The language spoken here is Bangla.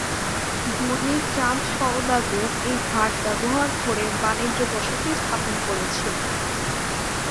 বণিক চাঁদ সওদাগর এই ঘাট ব্যবহার করে বাণিজ্য বসতি স্থাপন করেছিলেন।